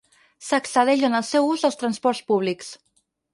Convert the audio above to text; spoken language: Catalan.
S'excedeix en el seu ús dels transports públics.